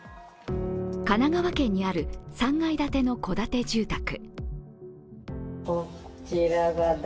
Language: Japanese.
神奈川県にある３階建ての戸建て住宅。